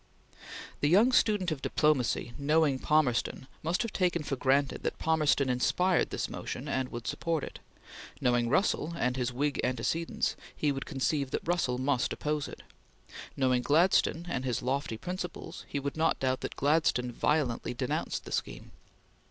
The young student of diplomacy, knowing Palmerston, must have taken for granted that Palmerston inspired this motion and would support it; knowing Russell and his Whig antecedents, he would conceive that Russell must oppose it; knowing Gladstone and his lofty principles, he would not doubt that Gladstone violently denounced the scheme.